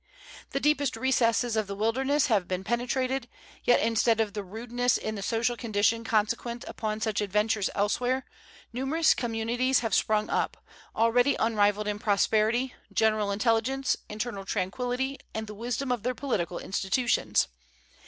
The deepest recesses of the wilderness have been penetrated; yet instead of the rudeness in the social condition consequent upon such adventures elsewhere, numerous communities have sprung up, already unrivaled in prosperity, general intelligence, internal tranquillity, and the wisdom of their political institutions.